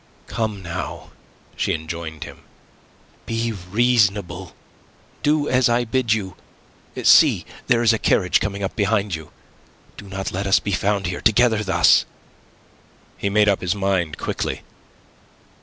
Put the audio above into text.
"Come, now," she enjoined him. "Be reasonable. Do as I bid you. See, there is a carriage coming up behind you. Do not let us be found here together thus." He made up his mind quickly.